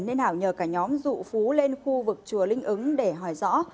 nên hảo nhờ cả nhóm dụ phú lên khu vực chùa linh ứng để hỏi rõ